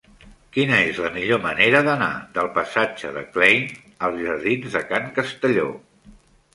Quina és la millor manera d'anar del passatge de Klein als jardins de Can Castelló?